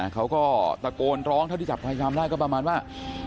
เขาก็ตะโกนร้องเท่าที่จับพยายามได้ก็ประมาณว่า